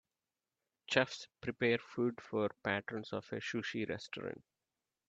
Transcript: Chefs prepare food for patrons of a sushi restaurant.